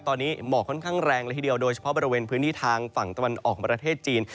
ตอนนี้หมอกค่อนข้างแรงเลยทีเดียวโดยเฉพาะบริเวณพื้นที่ทางฝั่งตะวันออกประเทศจีน